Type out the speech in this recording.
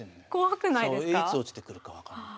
いつ落ちてくるか分かんない。